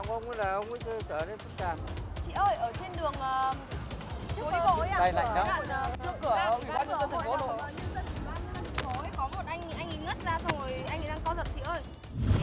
có một anh ấy ngất ra xong rồi anh ấy đang co giật chị ơi